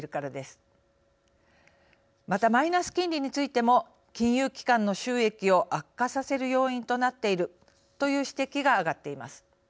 またマイナス金利についても金融機関の収益を悪化させる要因となっているという指摘が上がっています。